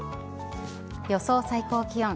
予想最高気温。